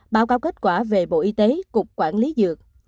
báo cáo kết quả về bộ y tế cục quản lý dược